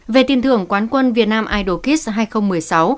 về tiền thưởng quán quân việt nam idol kids hai nghìn một mươi sáu